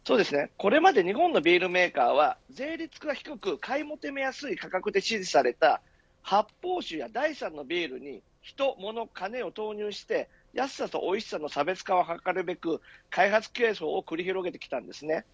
これまで日本のビールメーカーは税率が低く買い求めやすい価格で支持された発泡酒や第三のビールに人、物、金を投入して安さとおいしさの差別化を図れるべく開発競争をくり広げていたんですね。